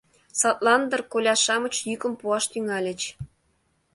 Садлан дыр коля-шамыч йӱкым пуаш тӱҥальыч.